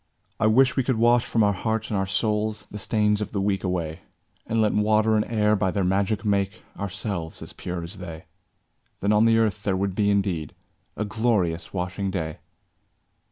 I wish we could wash from our hearts and our souls The stains of the week away, And let water and air by their magic make Ourselves as pure as they; Then on the earth there would be indeed A glorious washing day!